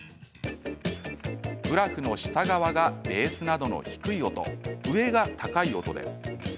グラフの下側がベースなどの低い音、上が高い音です。